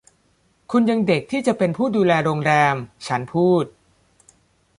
คุณยังเด็กที่จะเป็นผู้ดูแลโรงแรม ฉันพูด